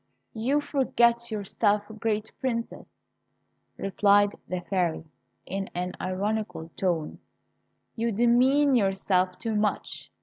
"You forget yourself, great Princess," replied the Fairy, in an ironical tone, "you demean yourself too much.